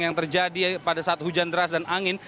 yang terjadi pada saat hujan deras dan angin